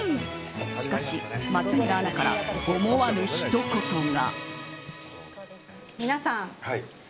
しかし、松村アナから思わぬひと言が。